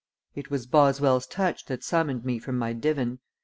It was Boswell's touch that summoned me from my divan.